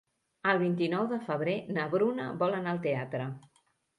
El vint-i-nou de febrer na Bruna vol anar al teatre.